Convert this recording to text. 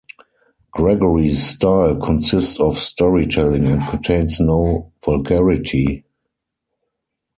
Gregory's style consists of storytelling and contains no vulgarity.